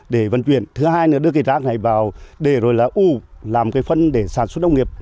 để vận chuyển thứ hai nữa đưa cái rác này vào để rồi là u làm cái phân để sản xuất nông nghiệp